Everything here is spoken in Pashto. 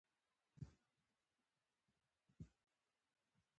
پښتو متلونو: راټولونکې ډيـوه افـضـل.